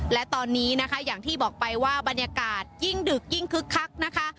และตอนนี้นะคะอย่างที่บอกไปว่าบรรยากาศยิ่งดึกยิ่งคึกคักนะคะ